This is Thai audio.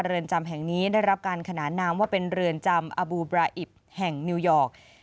เรือนจำแห่งนี้ได้รับการขนานนามว่าเป็นเรือนจำอบูบราอิบแห่งนิวยอร์ก